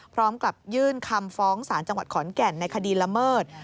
พร้อมกับยื่นคำฟ้องสารจังหวัดขอนแก่นในคดีละเมิด